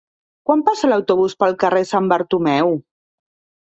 Quan passa l'autobús pel carrer Sant Bartomeu?